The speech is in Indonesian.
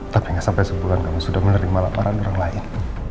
tapi nggak sampai sebulan kamu sudah menerima laporan orang lain